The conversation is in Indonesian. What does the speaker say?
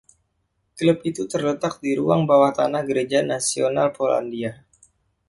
Klub itu terletak di ruang bawah tanah gereja Nasional Polandia.